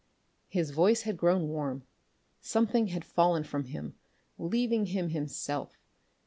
His voice had grown warm. Something had fallen from him leaving him himself.